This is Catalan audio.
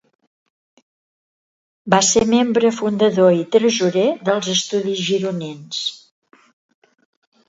Va ser membre fundador i tresorer dels Estudis Gironins.